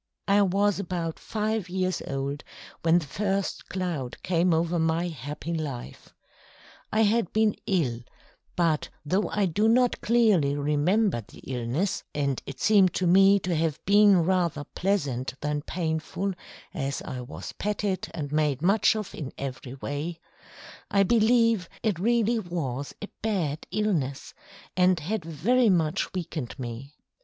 I was about five years old when the first cloud came over my happy life. I had been ill, but though I do not clearly remember the illness and it seemed to me to have been rather pleasant than painful, as I was petted and made much of in every way I believe it really was a bad illness, and had very much weakened me.